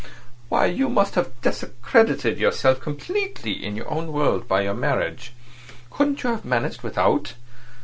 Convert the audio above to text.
Why, you must have discredited yourself completely in your own world by your marriage. Couldn't you have managed without?